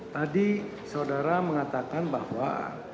tadi saudara mengatakan bahwa